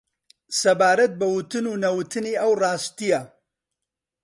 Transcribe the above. سەبارەت بە وتن و نەوتنی ئەو ڕستەیە